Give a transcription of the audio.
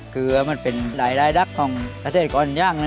คือมันเป็นรายได้ดักของไฟเซโสกรงยาง